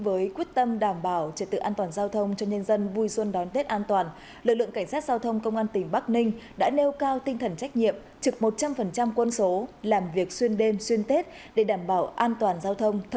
với tinh thần thức cho dân ngủ gác cho dân ngủ gác cho dân vui chơi lực lượng công an thị trấn đều gác lại những hạnh phúc riêng của mình